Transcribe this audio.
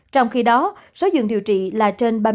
trong khi đó số dường điều trị là trên ba mươi